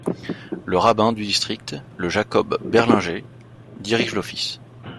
Le rabbin du district, le Jacob Berlinger, dirige l'office.